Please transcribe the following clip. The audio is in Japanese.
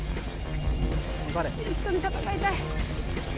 一緒に戦いたい。